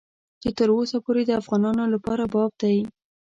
چې تر اوسه پورې د افغانانو لپاره باب دی.